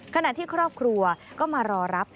ขณะที่ครอบครัวก็มารอรับ